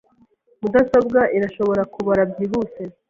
Mudasobwa irashobora kubara byihuse .